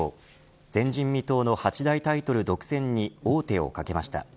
前人未到の八大タイトル独占に王手をかけました。